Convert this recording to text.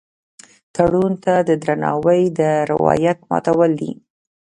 تړون ته د درناوي د روایت ماتول دي.